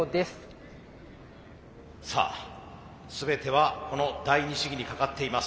さあ全てはこの第二試技にかかっています。